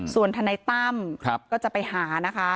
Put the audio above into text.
ส่วนทนายตั้มก็จะไปหานะคะ